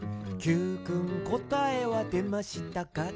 「Ｑくんこたえはでましたか？」